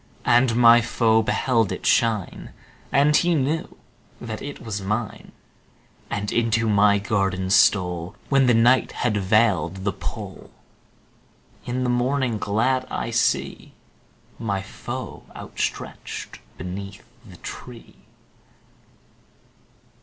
And my foe beheld it shine. And he knew that it was mine, And into my garden stole When the night had veiled the pole; In the morning glad I see My foe outstretched beneath the tree.